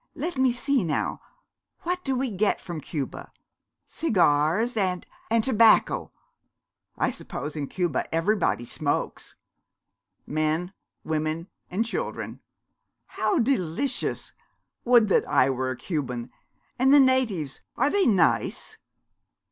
'Let me see, now, what do we get from Cuba? cigars and and tobacco. I suppose in Cuba everybody smokes?' 'Men, women, and children.' 'How delicious! Would that I were a Cuban! And the natives, are they nice?'